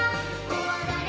こわがれ！